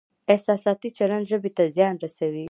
احساساتي چلند ژبې ته زیان رسوي.